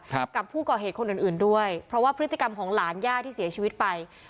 กับผู้ก่อเหตุคนอื่นอื่นด้วยเพราะว่าพฤติกรรมของหลานย่าที่เสียชีวิตไป